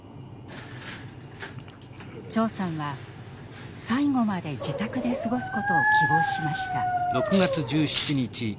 長さんは最期まで自宅で過ごすことを希望しました。